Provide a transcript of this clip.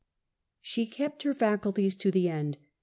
She kept her faculties to the end.